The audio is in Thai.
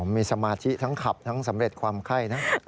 มีสมาธิทั้งขับทั้งสำเร็จความไข้นะ